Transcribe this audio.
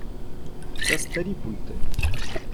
Це старі пульти.